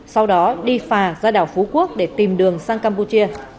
sau đó đi phà ra đảo phú quốc để tìm đường sang campuchia